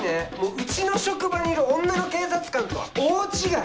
うちの職場にいる女の警察官とは大違い！